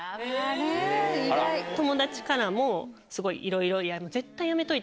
友達からもすごいいろいろ。